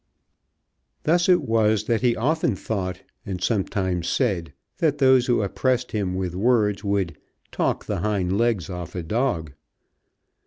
Thus it was that he often thought, and sometimes said, that those who oppressed him with words would "talk the hind legs off a dog."